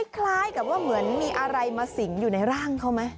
คล้ายกับว่าเหมือนมีอะไรมาสิงอยู่ในร่างเขาไหม